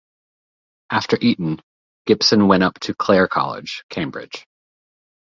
After Eton, Gibson went up to Clare College, Cambridge.